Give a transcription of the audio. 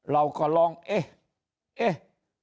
เราก็ลองเอ๊ะเอ๊ะ